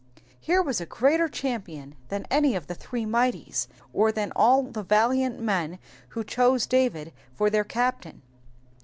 Here was a greater champion than any of the three mighties, or than all the valiant men who chose David for their captain.